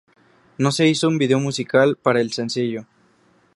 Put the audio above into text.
No se hizo un vídeo musical para el sencillo.